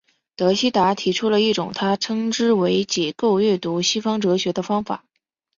德希达提出了一种他称之为解构阅读西方哲学的方法。